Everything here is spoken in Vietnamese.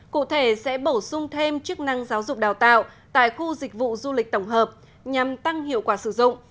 cụ thể sẽ bổ sung thêm chức năng giáo dục đào tạo tại khu dịch vụ du lịch tổng hợp nhằm tăng hiệu quả sử dụng